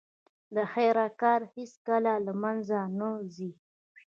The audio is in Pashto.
د خیر کار هیڅکله له منځه نه ځي.